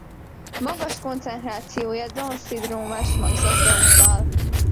Magas koncentrációja Down-szindrómás magzatra utal.